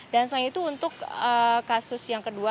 dan selain itu untuk kasus yang kedua